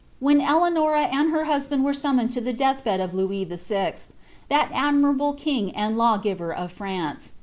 ^69 when Eleuiom and her hosband were summoned to the death bed of Louis Vf^ that admirable king and lawgiver of France.